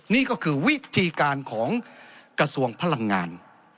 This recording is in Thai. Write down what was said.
นี่ก็คือวิธีการของกระทรวงพลังงาน